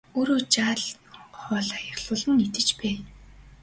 Өөрөө жаахан хоол аялуулан идэж байя!